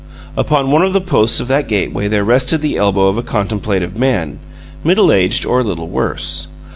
Upon one of the posts of that gateway there rested the elbow of a contemplative man, middleaged or a little worse.